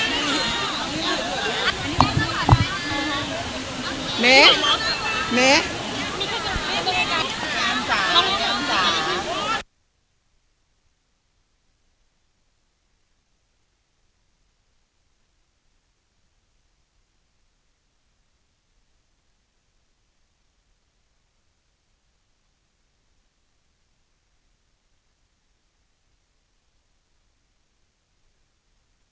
สวัสดีครับสวัสดีครับ